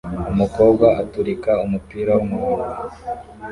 Umukobwa aturika umupira wumuhondo